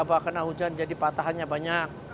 bahwa kena hujan jadi patahannya banyak